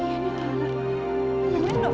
iya ini bener bener